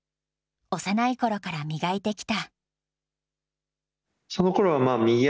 幼いころから磨いてきた。